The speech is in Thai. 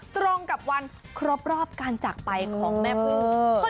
ตรงกับวันครบรอบการจากไปของแม่พึ่ง